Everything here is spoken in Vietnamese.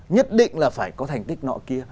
nhất định là phải có thành tích nọ kia